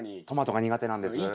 トマトが苦手なんです。